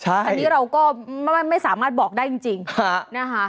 อันนี้เราก็ไม่สามารถบอกได้จริงนะคะ